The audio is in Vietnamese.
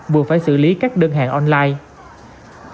vừa phải xử lý các đơn hàng online